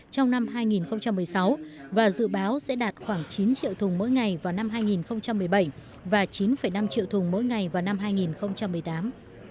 trong năm hai nghìn một mươi sáu và dự báo sẽ đạt khoảng chín triệu thùng mỗi ngày vào năm hai nghìn một mươi bảy và chín năm triệu thùng mỗi ngày vào năm hai nghìn một mươi tám